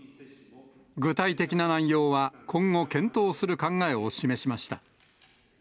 具体的な内容は、今後検討する考えを示しました。